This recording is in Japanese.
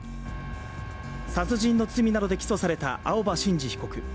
殺人の罪などで起訴された青葉真司被告。